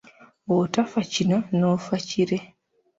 Bw’otafa kino n’ofa kiri.